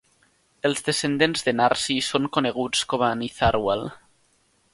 Els descendents de Narsi són coneguts com a Nitharwal.